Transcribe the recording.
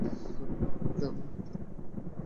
ধন্যবাদ, জানু।